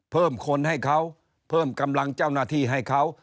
เพิ่มคนให้เขาเพิ่มกำลังเจ้าหน้าที่ให้เขา